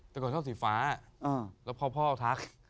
แต่ก่อนชอบสีฟ้าแล้วพอพ่อทัก